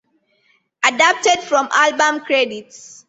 Adapted from album credits.